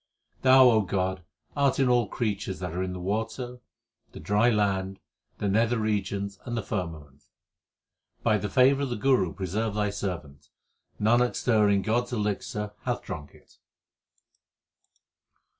Thou, O God, art in all creatures that are in the water, the dry land, the nether regions, and the firmament. By the favour of the Guru preserve Thy servant ; Nanak stirring God s elixir hath drunk it.